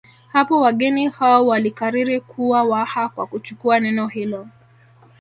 Hapo wageni hao walikariri kuwa Waha kwa kuchukua neno hilo